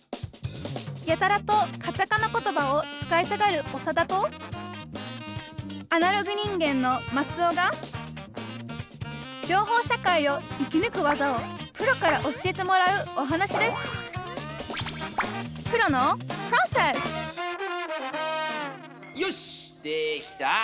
やたらとカタカナ言葉を使いたがるオサダとアナログ人間のマツオが情報社会を生きぬく技をプロから教えてもらうお話ですよしできた！